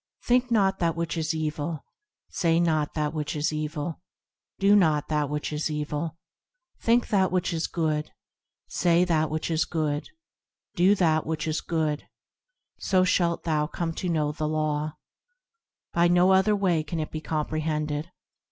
Think not that which is evil; Say not that which is evil ; Do not that which is evil, Think that which is good ; Say that which is good; Do that which is good, So shalt thou come to know the Law ; By no other way can it be comprehended.